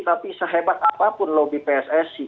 tapi sehebat apapun lobby pssi